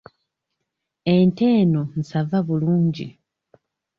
Ente eno nsava bulungi.